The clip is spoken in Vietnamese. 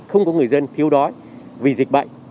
không có người dân thiếu đói vì dịch bệnh